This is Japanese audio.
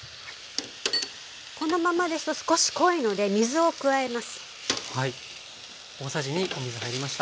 このままですと少し濃いので水を加えます。